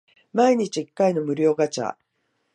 毎日一回の無料ガチャ